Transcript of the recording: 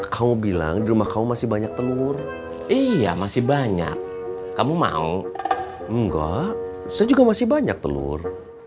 kau bilang di rumah kamu masih banyak telur iya masih banyak kamu mau enggak saya juga masih banyak telur